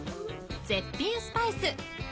絶品スパイス。